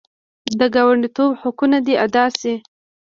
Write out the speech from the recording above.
د ګاونډیتوب حقونه دې ادا شي.